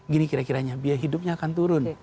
gini kira kiranya biaya hidupnya akan turun